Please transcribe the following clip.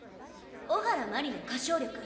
小原鞠莉の歌唱力。